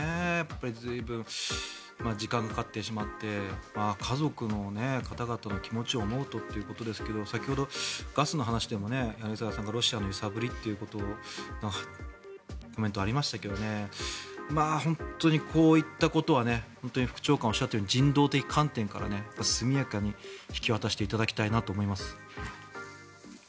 随分、時間がかかってしまって家族の方々の気持ちを思うとということですが先ほど、ガスの話でも柳澤さんのロシアの揺さぶりというコメントがありましたが本当にこういうことは本当に副長官がおっしゃったように人道的な面から速やかに引き渡していただきたいなと思います。